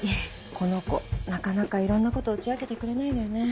この子なかなかいろんなこと打ち明けてくれないのよね。